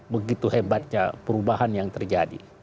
begitu hebatnya perubahan yang terjadi